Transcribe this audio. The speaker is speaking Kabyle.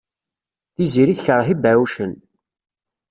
Tiziri tekṛeh ibeɛɛucen.